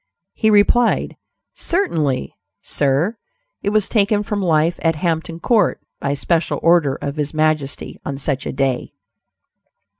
'" He replied, "Certainly; sir; it was taken from life at Hampton Court, by special order of his majesty; on such a day."